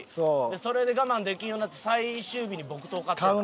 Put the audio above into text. それで我慢できんようなって最終日に木刀買ったんよわし。